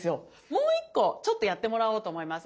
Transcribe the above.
もう１個ちょっとやってもらおうと思います。